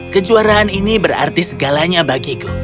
kejuaraan ini berarti segalanya bagiku